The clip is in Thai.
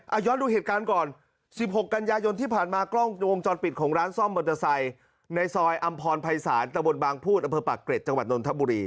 เอาย้อนดูเหตุการณ์ก่อน๑๖กันยายนที่ผ่านมากล้องวงจรปิดของร้านซ่อมมอเตอร์ไซค์ในซอยอำพรภัยศาลตะบนบางพูดอำเภอปากเกร็จจังหวัดนนทบุรี